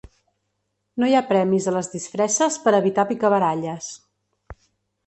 No hi ha premis a les disfresses per evitar picabaralles.